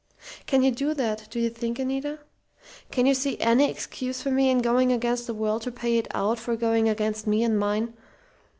"Can you do that, do you think, Anita? Can you see any excuse for me in going against the world to pay it out for going against me and mine?